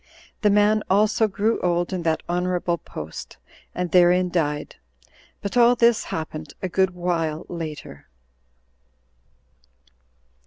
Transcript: The man also grew old in that honorable post, and therein died. But all this happened a good while later.